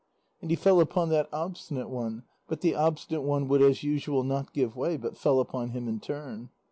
And he fell upon that Obstinate One, but the Obstinate One would as usual not give way, but fell upon him in turn.